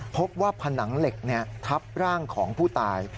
พบว่าผนังเหล็กทับร่างของผู้ตาย